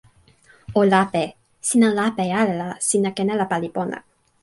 o lape. sina lape ala la sina ken ala pali pona.